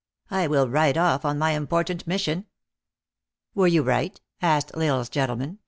" I will ride off on my important mission." " Were you right?" asked L Isle s gentleman.